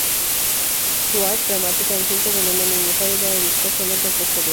Su "Ars Grammatica" en cinco volúmenes nos ha llegado dispersa en obras posteriores.